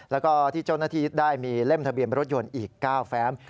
แล้วก็ที่เจ้าหน้าที่ได้มีเล่มทะเบียนรถยนต์อีก๙แฟม